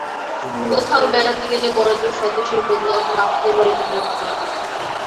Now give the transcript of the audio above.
কোথাও বেড়াতে গেলে বড়জোর স্বদেশিয় বন্ধু অথবা আত্মীয়ের বাড়িতে বেড়াতে যাওয়া।